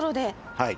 はい。